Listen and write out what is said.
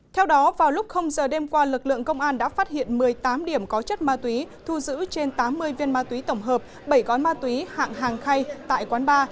theo đó vào lúc giờ đêm qua lực lượng công an đã phát hiện một mươi tám điểm có chất ma túy thu giữ trên tám mươi viên ma túy tổng hợp bảy gói ma túy hạng hàng khay tại quán ba